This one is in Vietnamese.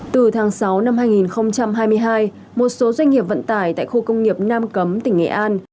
từ tháng sáu năm hai nghìn hai mươi hai một số doanh nghiệp vận tải tại khu công nghiệp nam cấm tỉnh nghệ an